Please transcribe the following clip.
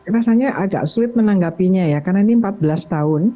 rasanya agak sulit menanggapinya ya karena ini empat belas tahun